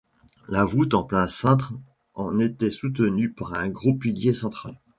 La voûte en plein cintre en était soutenue par un gros pilier central.